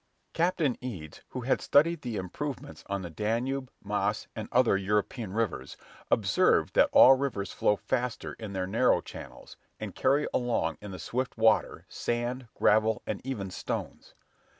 Captain Eads, who had studied the improvements on the Danube, Maas, and other European rivers, observed that all rivers flow faster in their narrow channels, and carry along in the swift water, sand, gravel, and even stones.